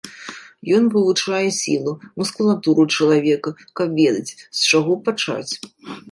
Ён вывучае сілу, мускулатуру чалавека, каб ведаць, з чаго пачаць.